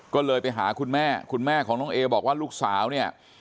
ก็เลยไปหาคุณแม่คุณแม่ของน้องเอบอกว่าลูกสาวเนี่ย